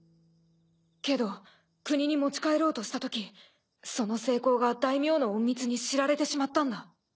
けど国に持ち帰ろうとしたときその成功が大名の隠密に知られてしまったんだ。